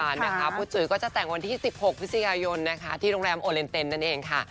ค่ะเนี่ยครับพุธจุ๋ยก็จะแต่งวันที่๑๖พฤษิกายนที่โรงแรมโอเลนเต็นต์นั่นเองค่ะ